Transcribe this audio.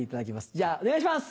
じゃあお願いします！